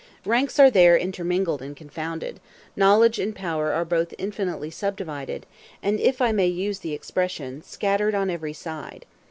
Ranks are there intermingled and confounded; knowledge and power are both infinitely subdivided, and, if I may use the expression, scattered on every side.